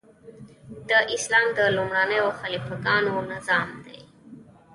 د اسلام د لومړنیو خلیفه ګانو نظام دی.